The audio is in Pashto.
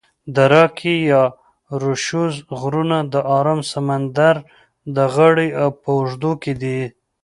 د راکي یا روشوز غرونه د آرام سمندر د غاړي په اوږدو کې دي.